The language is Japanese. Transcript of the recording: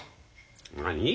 何？